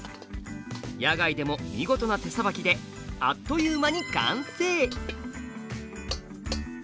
野外でも見事な手さばきであっという間に完成！